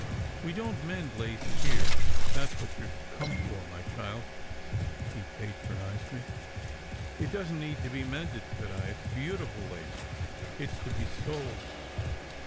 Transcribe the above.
"We don t mend lace here, if that s what you ve come for, my child," he patronized me. "It doesn t need to be mended," said I. "It s beauti ful lace. It s to be sold."